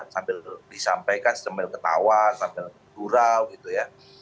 sambil disampaikan semel ketawa sambil durau gitu ya